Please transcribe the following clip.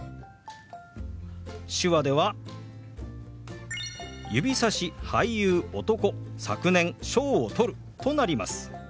手話では「指さし俳優男昨年賞を取る」となります。